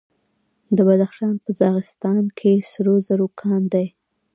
د بدخشان په راغستان کې سرو زرو کان دی.